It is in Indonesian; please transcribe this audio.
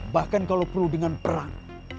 bahkan kalau perlu dengan perang